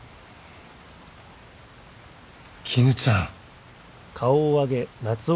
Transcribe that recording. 絹ちゃん。